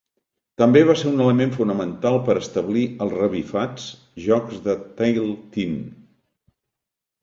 També va ser un element fonamental per establir els 'revifats' Jocs de Tailteann.